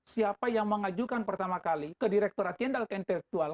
siapa yang mengajukan pertama kali ke direkturat jendal keintelektual